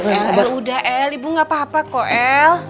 el el udah el ibu gak apa apa kok el